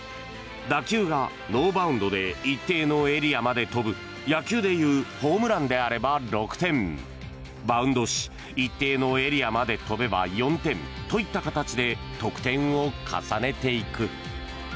打球がノーバウンドで一定のエリアまで飛ぶ野球でいうホームランであれば６点バウンドし、一定のエリアまで飛べば４点といった形で得点を重ねていく。